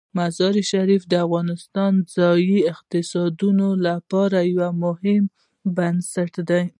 مزارشریف د افغانستان د ځایي اقتصادونو لپاره یو مهم بنسټ دی.